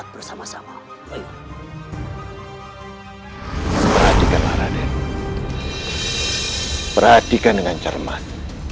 perhatikanlah raden perhatikan dengan cermat